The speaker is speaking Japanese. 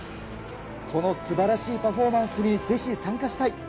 このすばらしいパフォーマンスに、ぜひ参加したい。